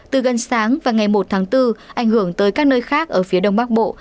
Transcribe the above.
từ gần sáng và ngày một tháng bốn ảnh hưởng tới các nơi khác ở phía đông bắc bộ